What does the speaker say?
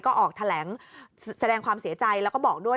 ก็ออกแถลงแสดงความเสียใจแล้วก็บอกด้วย